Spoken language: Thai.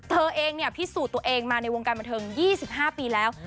เธอเองพิสูจน์ตัวเองมาในวงการบันเทิง๒๕ปีแล้ว